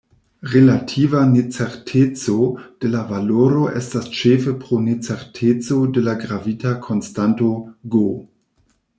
Relativa necerteco de la valoro estas ĉefe pro necerteco de la gravita konstanto "G".